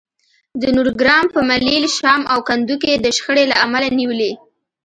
د نورګرام په ملیل، شام او کندو کې د شخړې له امله نیولي